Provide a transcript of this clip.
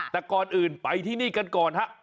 แต่ก่อนอื่นไปที่นี่กันก่อนฮะ